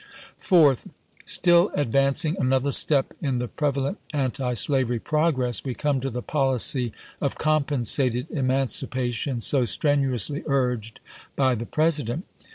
Fourth. Still advancing another step in the prev alent antislavery progress, we come to the policy of compensated emancipation so strenuously urged by the President.